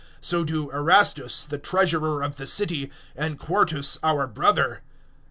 So do Erastus, the treasurer of the city, and Quartus our brother.